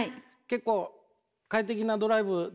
結構快適なドライブでしたか？